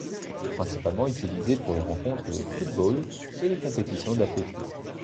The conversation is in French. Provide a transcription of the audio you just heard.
Il est principalement utilisé pour les rencontres de football et les compétitions d'athlétisme.